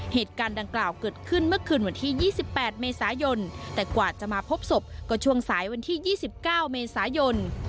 เหตุการณ์ดังกล่าวเกิดขึ้นเมื่อคืนวันที่๒๘เมษายนแต่กว่าจะมาพบศพก็ช่วงสายวันที่๒๙เมษายน